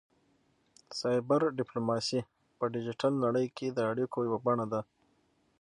سایبر ډیپلوماسي په ډیجیټل نړۍ کې د اړیکو یوه بڼه ده